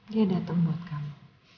dia dateng buat kamu